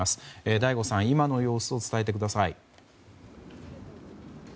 醍醐さん、今の様子を伝えてください。